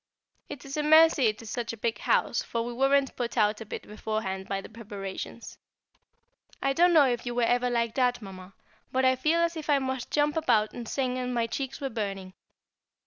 It is a mercy it is such a big house, for we weren't put out a bit beforehand by the preparations. I don't know if you were ever like that, Mamma, but I felt as if I must jump about and sing, and my cheeks were burning.